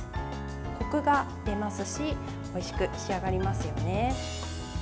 こくが出ますしおいしく仕上がりますよね。